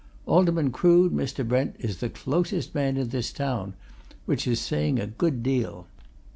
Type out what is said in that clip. Alderman Crood, Mr. Brent, is the closest man in this town which is saying a good deal.